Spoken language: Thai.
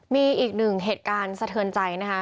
มีอีกหนึ่งเหตุการณ์สะเทือนใจนะคะ